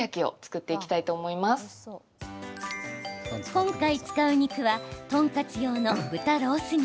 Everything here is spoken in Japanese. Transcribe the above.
今回、使う肉はトンカツ用の豚ロース肉。